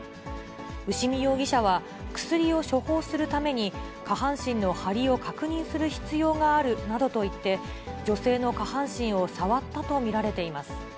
牛見容疑者は、薬を処方するために、下半身の張りを確認する必要があるなどと言って、女性の下半身を触ったと見られています。